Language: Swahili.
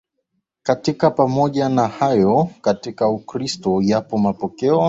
katika Pamoja na hayo katika Ukristo yapo mapokeo